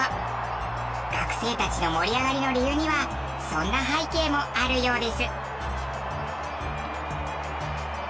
学生たちの盛り上がりの理由にはそんな背景もあるようです。